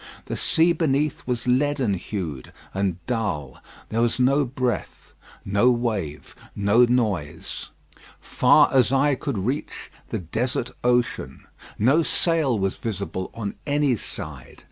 The sea beneath was leaden hued and dull. There was no breath, no wave, no noise. Far as eye could reach, the desert ocean. No sail was visible on any side.